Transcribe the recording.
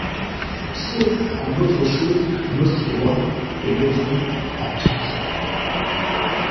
Sauf en autres choses nostres droit, et l'autrui en toutes.